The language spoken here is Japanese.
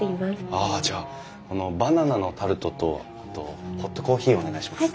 ああじゃあこのバナナのタルトとあとホットコーヒーをお願いします。